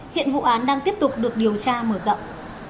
hiện vụ án đang tiếp tục được điều tra mở rộng